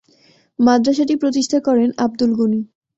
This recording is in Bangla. মাদ্রাসাটি প্রতিষ্ঠা করেন আব্দুল গণি।